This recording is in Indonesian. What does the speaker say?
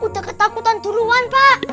udah ketakutan duluan pak